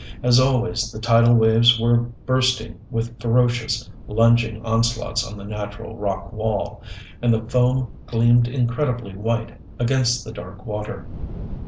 As always the tidal waves were bursting with ferocious, lunging onslaughts on the natural rock wall, and the foam gleamed incredibly white against the dark water.